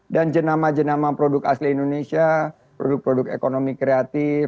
dan jenama jenama produk asli indonesia produk produk ekonomi kreatif